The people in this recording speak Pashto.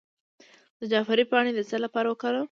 د جعفری پاڼې د څه لپاره وکاروم؟